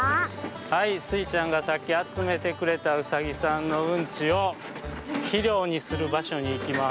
はいスイちゃんがさっきあつめてくれたうさぎさんのうんちをひりょうにするばしょにいきます。